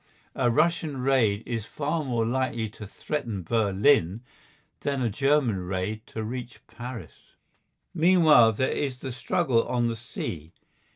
A Russian raid is far more likely to threaten Berlin than a German to reach Paris. Meanwhile there is the struggle on the sea.